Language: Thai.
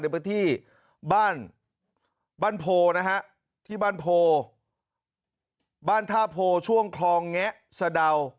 ในบ้านบ้านโพนะฮะที่บ้านโพบ้านทาโพช่วงคลองแงะสะดาว